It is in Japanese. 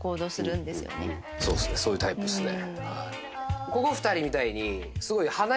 そういうタイプっすね。